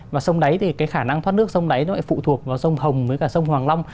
và sông đáy thì cái khả năng thoát nước sông đáy nó lại phụ thuộc vào sông hồng với cả sông hoàng long